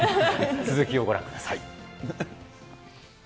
続きをご覧ください。